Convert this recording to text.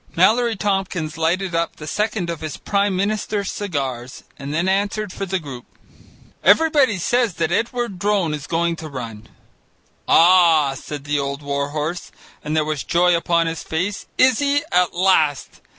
Mallory Tompkins lighted up the second of his Prime Minister's cigars and then answered for the group: "Everybody says that Edward Drone is going to run." "Ah!" said the old war horse, and there was joy upon his face, "is he? At last!